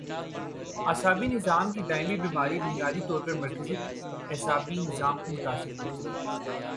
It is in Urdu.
اعصابی نظام کی دائمی بیماری بنیادی طور پر مرکزی اعصابی نظام کو متاثر کرتی ہے